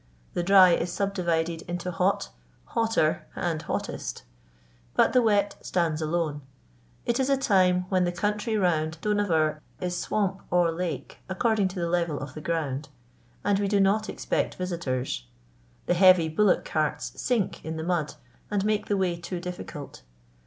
The dry is subdivided into hot, hotter, and hottest; but the wet stands alone. It is a time when the country round Dohnavur is swamp or lake according to the level of the ground; and we do not expect visitors the heavy bullock carts sink in the mud and make the way too difficult.